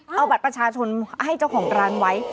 เอาบัตรประชาชนให้เจ้าของร้านไว้